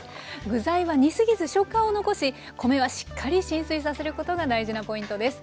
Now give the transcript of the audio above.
具材は煮過ぎず食感を残し米はしっかり浸水させることが大事なポイントです。